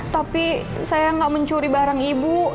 tapi saya nggak mencuri barang ibu